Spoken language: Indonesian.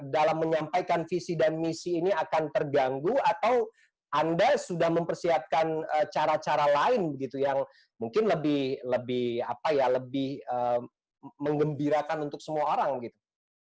dalam menyampaikan visi dan misi ini akan terganggu atau anda sudah mempersiapkan cara cara lain begitu yang mungkin lebih mengembirakan untuk semua orang gitu